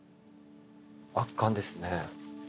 圧巻ですね。